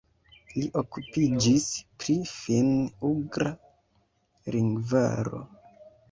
Li okupiĝis pri finn-ugra lingvaro.